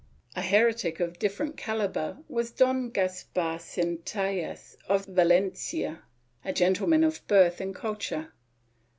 A heretic of different calibre was Don Caspar Centellas of Valencia, a gentleman of birth and culture.